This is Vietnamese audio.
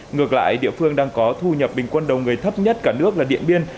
ngược lại địa phương đang có thu nhập bình quân đầu người thấp nhất cả nước là điện biên